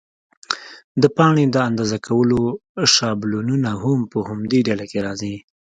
د پاڼې د اندازه کولو شابلونونه هم په همدې ډله کې راځي.